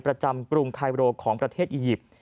กรุงไคโรของประเทศอียิปต์